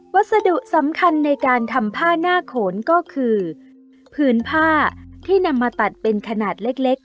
วัสดุสำคัญในการทำผ้าหน้าโขนก็คือผืนผ้าที่นำมาตัดเป็นขนาดเล็ก